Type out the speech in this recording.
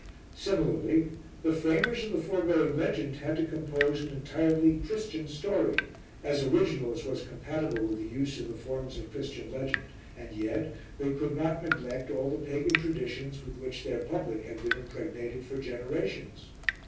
Similarly, the framers of the foregoing legend had to compose an entirely Christian story, as original as was compatible with the use of the forms of Christian legend, and yet they could not neglect all the pagan traditions with which their public had been impregnated for generations.